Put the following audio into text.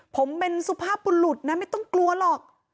ผมเป็นสุภาพบุรุษนะไม่ต้องกลัวหรอก